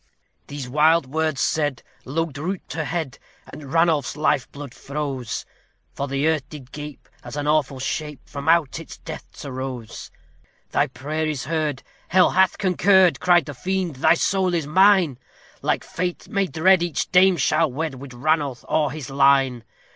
These wild words said, low drooped her head, and Ranulph's life blood froze, For the earth did gape, as an awful shape from out its depths arose: "Thy prayer is heard, Hell hath concurred," cried the fiend, "thy soul is mine! Like fate may dread each dame shall wed with Ranulph or his line!"